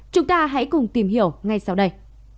chúng ta hãy cùng tìm hiểu ngay sau đây